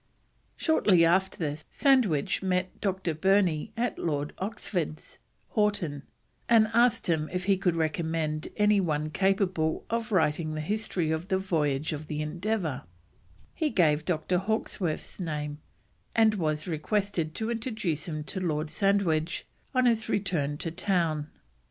Shortly after this, Sandwich met Dr. Burney at Lord Oxford's, Houghton, and asked him if he could recommend any one capable of writing the history of the voyage of the Endeavour; he gave Dr. Hawkesworth's name, and was requested to introduce him to Lord Sandwich on his return to town.